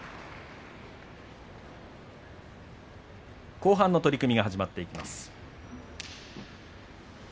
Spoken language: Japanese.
後半の取組が始まっていきます。